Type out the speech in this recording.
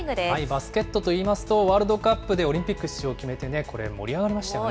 バスケットといいますと、ワールドカップでオリンピック出場を決めてね、これ、盛り上がりましたよね。